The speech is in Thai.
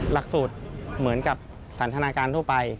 หลักสูตรเหมือนกับสันทนาการทั่วไป